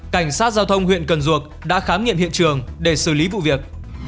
cảnh sát giao thông huyện cần duộc đã khám nghiệm hiện trường để xử lý vụ việc